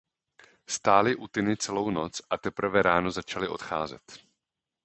Stáli u Tiny celou noc a teprve ráno začali odcházet.